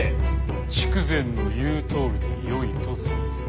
筑前の言うとおりでよいと存ずる。